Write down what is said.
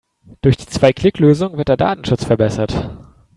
Durch die Zwei-Klick-Lösung wird der Datenschutz verbessert.